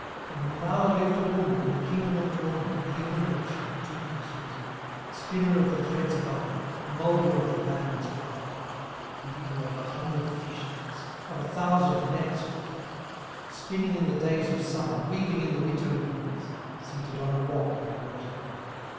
In Manala lived a woman, In the kingdom of Tuoni, Evil witch and toothless wizard, Spinner of the threads of iron, Moulder of the bands of copper, Weaver of a hundred fish nets, Of a thousand nets of copper, Spinning in the days of summer, Weaving in the winter evenings, Seated on a rock in water.